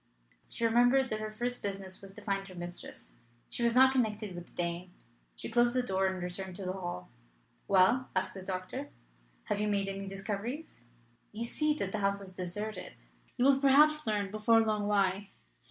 She remembered that her first business was to find her mistress. She was not connected with the Dane. She closed the door and returned to the hall. "Well," asked the doctor, "have you made any discoveries? You see that the house is deserted. You will perhaps learn before long why.